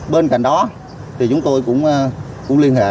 bên cạnh đó thì chúng tôi cũng liên hệ